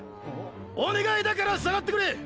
お願いだから下がってくれ！